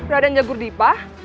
raden jagur dipa